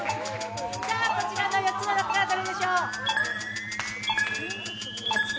こちらの４つの中から、どれでしょう？